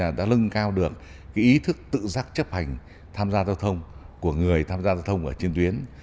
các hành vi vi phạm cao được ý thức tự giác chấp hành tham gia giao thông của người tham gia giao thông trên tuyến